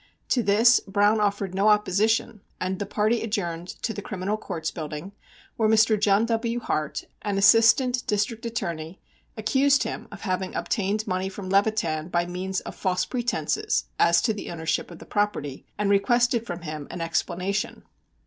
To this Browne offered no opposition, and the party adjourned to the Criminal Courts Building, where Mr. John W. Hart, an Assistant District Attorney, accused him of having obtained money from Levitan by means of false pretences as to the ownership of the property, and requested from him an explanation.